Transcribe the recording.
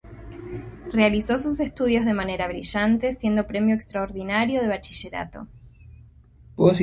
Realizó sus estudios de manera brillante, siendo premio extraordinario de bachillerato.